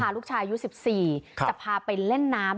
ลูกชายอายุ๑๔จะพาไปเล่นน้ำ